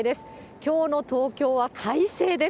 きょうの東京は快晴です。